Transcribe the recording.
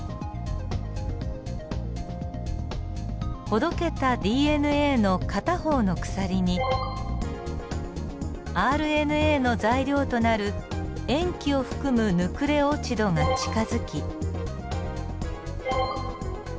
ほどけたＤＮＡの片方の鎖にＲＮＡの材料となる塩基を含むヌクレオチドが近づき。